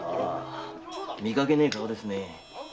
見かけない顔ですね。